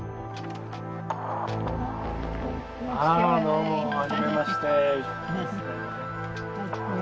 どうもはじめまして。